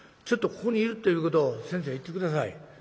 ちょっとここにいるっていうことを先生言って下さい。